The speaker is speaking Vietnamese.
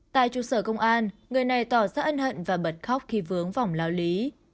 tại trụ sở công an người này tỏ ra ân hận và bật khóc khi vướng vòng lao lý